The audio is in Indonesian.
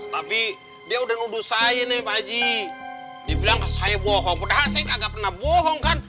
tapi dia udah nuduh saya nih pakji dia bilang saya bohong padahal saya kagak pernah bohong kan